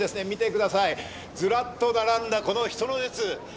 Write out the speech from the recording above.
見て下さいずらっと並んだこの人の列。